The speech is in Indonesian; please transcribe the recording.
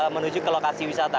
menuju ke lokasi wisata